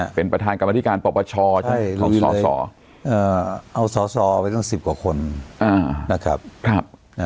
ผู้โอภัยประธานกรรมติการประชอใช่หรือสอเอาสอเอาไว้ตั้งสิบกว่าคนนะครับ